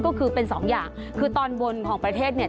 ก็คือเป็นสองอย่างคือตอนบนของประเทศเนี่ย